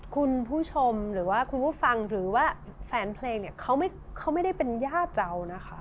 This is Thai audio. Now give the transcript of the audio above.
คุณผู้ชมหรือว่าคุณผู้ฟังหรือว่าแฟนเพลงเนี่ยเขาไม่ได้เป็นญาติเรานะคะ